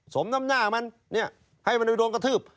สมน้ำหน้ามันให้มันไปโดนกระทืบ